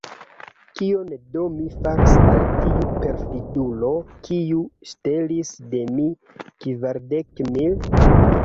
Kion do mi faris al tiu perfidulo, kiu ŝtelis de mi kvardek mil?